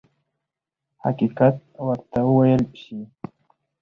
حقیقت ورته وویل شي.